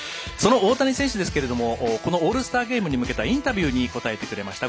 大谷選手ですがオールスターゲームに向けたインタビューに答えてくれました。